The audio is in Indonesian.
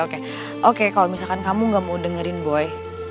oke kalo misalkan kamu gak mau dengerin boy